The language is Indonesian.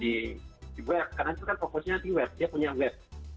di web karena itu kan fokusnya di web dia punya web